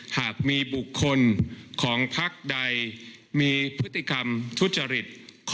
หากมีบุคคลของพักใดมีพฤติกรรมทุจริต